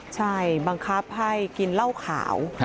ใช่บังคับให้กินเหล้าขาว